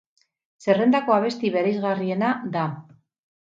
Zerrendako abesti bereizgarriena da.